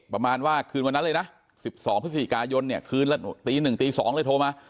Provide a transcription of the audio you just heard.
ประมาณว่าคืนวันนั้นเลยนะ๑๒พฤศจิกายนเนี่ยคืนละตี๑ตี๒เลยโทรมา